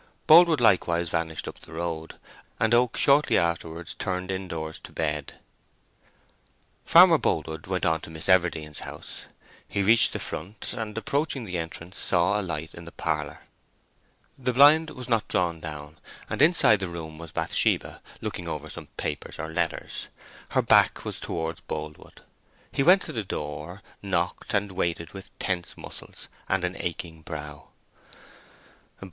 Boldwood likewise vanished up the road, and Oak shortly afterwards turned indoors to bed. Farmer Boldwood went on towards Miss Everdene's house. He reached the front, and approaching the entrance, saw a light in the parlour. The blind was not drawn down, and inside the room was Bathsheba, looking over some papers or letters. Her back was towards Boldwood. He went to the door, knocked, and waited with tense muscles and an aching brow.